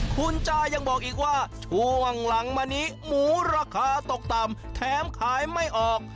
คุณจายังบอกอีกว่าช่วงหลังมานี้หมูราคาตกต่ำแถมขายไม่ออก